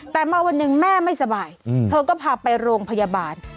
แต่มาวันหนึ่งแม่ไม่สบายเธอก็พาไปโรงพยาบาล